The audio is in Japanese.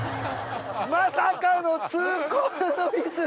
まさかの痛恨のミス。